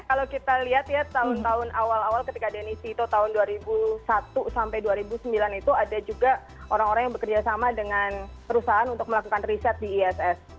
kalau kita lihat ya tahun tahun awal awal ketika denisi itu tahun dua ribu satu sampai dua ribu sembilan itu ada juga orang orang yang bekerja sama dengan perusahaan untuk melakukan riset di iss